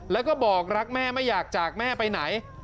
แล้วก็บอกรักแม่ไม่อยากจากแม่ไปไหน